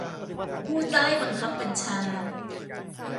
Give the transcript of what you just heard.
ผู้ใต้บังคับบัญชา